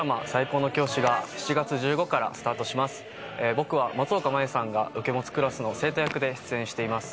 僕は松岡茉優さんが受け持つクラスの生徒役で出演しています。